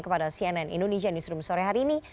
kepada cnn indonesia newsroom sore hari ini